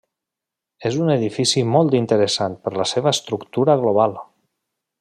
És un edifici molt interessant per la seva estructura global.